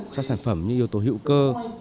cho sản phẩm như yếu tố hữu cơ